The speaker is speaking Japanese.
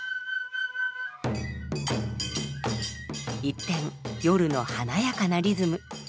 一転夜の華やかなリズム。